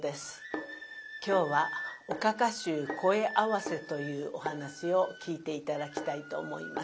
今日は「おかか衆声合わせ」というお噺を聴いて頂きたいと思います。